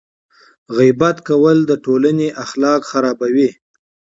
غیبت کول د ټولنې اخلاق خرابوي.